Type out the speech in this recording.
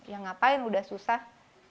ya ngapain udah susah